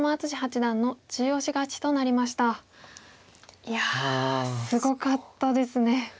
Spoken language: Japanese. いやすごかったですね。